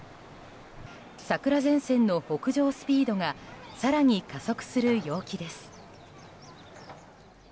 桜前線の北上スピードが更に加速する陽気です。